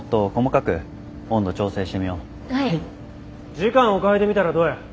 時間を変えてみたらどや。